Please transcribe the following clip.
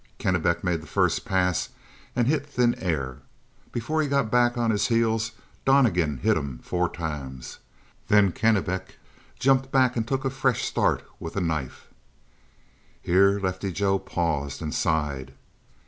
Kennebec made the first pass and hit thin air; and before he got back on his heels, Donnegan had hit him four times. Then Kennebec jumped back and took a fresh start with a knife." Here Lefty Joe paused and sighed.